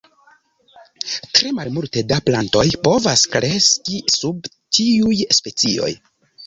Tre malmulte da plantoj povas kreski sub tiuj specioj.